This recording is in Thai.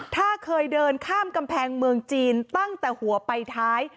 ถ้าเคยเดินข้ามกำแพงเมืองจีนตั้งแต่หัวไปท้าย